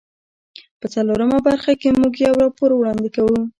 په څلورمه برخه کې موږ یو راپور وړاندې کوو.